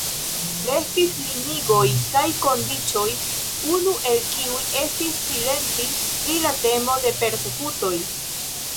Restis limigoj kaj kondiĉoj, unu el kiuj estis silenti pri la temo de persekutoj.